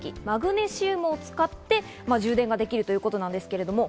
マグネシウムを使って、充電ができるということなんです。